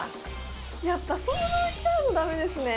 やっぱ想像しちゃうのだめですね。